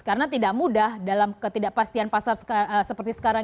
karena tidak mudah dalam ketidakpastian pasar seperti sekarang